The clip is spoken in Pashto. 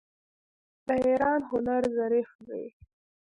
د ایران هنر ظریف دی.